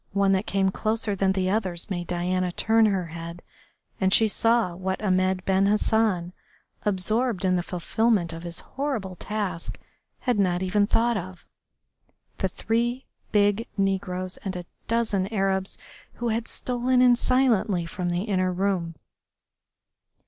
One that came closer than the others made Diana turn her head and she saw what Ahmed Ben Hassan, absorbed in the fulfilment of his horrible task, had not even thought of the three big negroes and a dozen Arabs who had stolen in silently from the inner room.